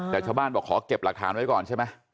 แต่ชาวบ้านบอกขอเก็บหลักฐานไว้ก่อนใช่ไหม